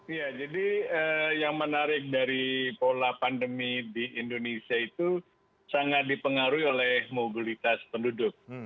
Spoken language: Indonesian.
ya jadi yang menarik dari pola pandemi di indonesia itu sangat dipengaruhi oleh mobilitas penduduk